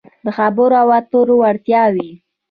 -د خبرو اترو وړتیاوې